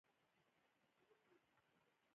پغمان د تفریح لپاره یو ښه ځای دی.